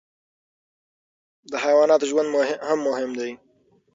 د حیواناتو ژوند هم مهم دی.